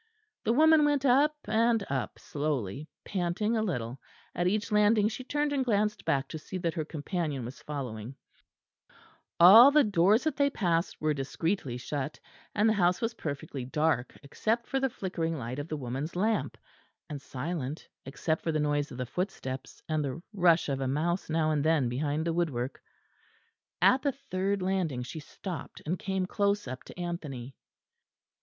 The woman went up and up, slowly, panting a little; at each landing she turned and glanced back to see that her companion was following: all the doors that they passed were discreetly shut; and the house was perfectly dark except for the flickering light of the woman's lamp, and silent except for the noise of the footsteps and the rush of a mouse now and then behind the woodwork. At the third landing she stopped, and came close up to Anthony.